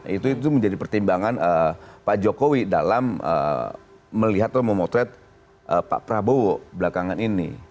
itu menjadi pertimbangan pak jokowi dalam melihat atau memotret pak prabowo belakangan ini